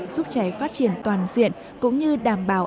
để đảm bảo hành diện cũng như đảm bảo